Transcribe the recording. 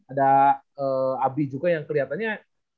ada abi juga yang keliatannya